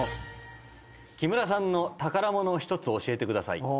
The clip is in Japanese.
「木村さんの『宝物』を１つ教えてください！」